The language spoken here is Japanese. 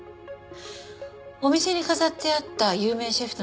お店に飾ってあった有名シェフとの写真